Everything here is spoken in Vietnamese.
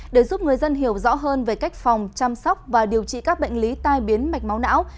để giúp người dân hiểu rõ hơn về cách phòng chăm sóc và điều trị các bệnh lý tai biến mạch máu não